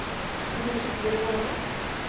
এতদূর এসে ফিরে যাব মানে!